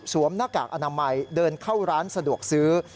หน้ากากอนามัยเดินเข้าร้านสะดวกซื้อ